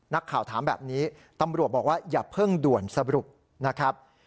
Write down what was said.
นักข่าวถามแบบนี้ตำรวจบอกว่าอย่าเพิ่งด่วนสรุปนะครับ